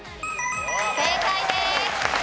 正解です。